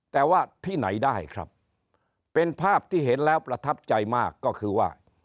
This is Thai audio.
แต่ว่าที่ไหนได้ครับเป็นภาพที่เห็นแล้วประทับใจมากก็คือว่า